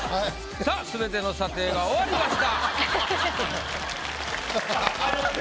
さあすべての査定が終わりました。